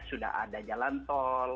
sudah ada jalan tol